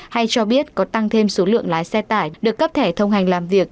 hay cho biết có tăng thêm số lượng lái xe tải được cấp thẻ thông hành làm việc